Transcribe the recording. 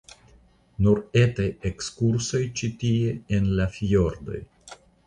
Nur etaj ekskursoj ĉi tie en la fjordoj.